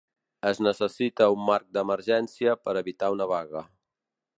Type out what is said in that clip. Es necessita un marc d'emergència per evitar una vaga.